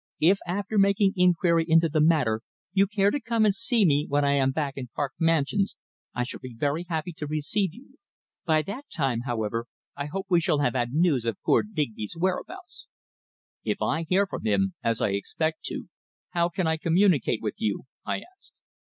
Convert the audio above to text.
If after making inquiry into the matter you care to come and see me when I am back in Park Mansions, I shall be very happy to receive you. By that time, however, I hope we shall have had news of poor Digby's whereabouts." "If I hear from him as I expect to how can I communicate with you?" I asked.